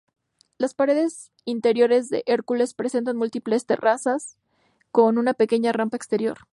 Las paredes interiores de Hercules presentan múltiples terrazas, con una pequeña rampa exterior.